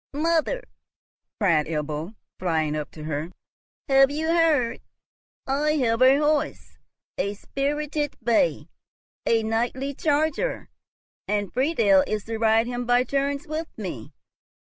"Mother," cried Ebbo, flying up to her, "have you heard? I have a horse! a spirited bay, a knightly charger, and Friedel is to ride him by turns with me.